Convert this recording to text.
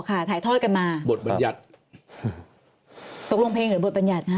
อ๋ออ๋ออ๋อค่ะถ่ายท่อยกันมาบทบรรยัติตกลงเพลงหรือบทบรรยัติฮะ